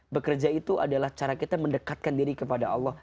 bekerja itu adalah cara kita mendekatkan diri kepada allah